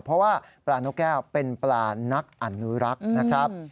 เพราะว่าปลานกแก้วเป็นปลานักอนุรักษ์นะครับ